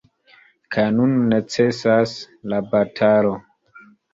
Kaj nun necesas la batalo.